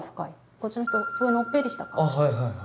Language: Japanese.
こっちの人すごいのっぺりした顔。